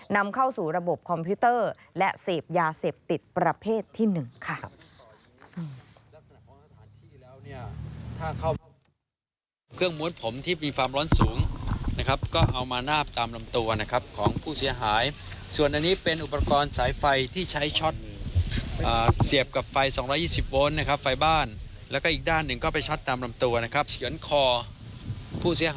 นำเข้าสู่ระบบคอมพิวเตอร์และเสพยาเสพติดประเภทที่๑ค่ะ